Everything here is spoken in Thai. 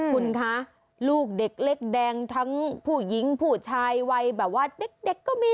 คุณคะลูกเด็กเล็กแดงทั้งผู้หญิงผู้ชายวัยแบบว่าเด็กก็มี